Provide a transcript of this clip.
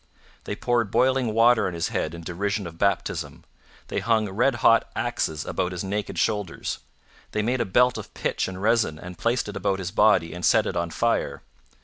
They poured boiling water on his head in derision of baptism; they hung red hot axes about his naked shoulders; they made a belt of pitch and resin and placed it about his body and set it on fire.